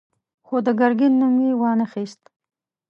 خو د ګرګين نوم يې وانه خيست.